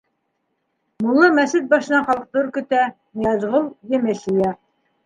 Мулла мәсет башынан халыҡты өркөтә, Ныязғол емеш йыя.